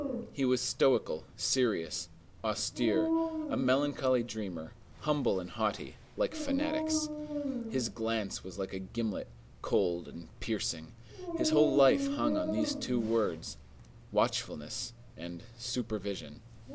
He was stoical, serious, austere; a melancholy dreamer, humble and haughty, like fanatics. His glance was like a gimlet, cold and piercing. His whole life hung on these two words: watchfulness and supervision.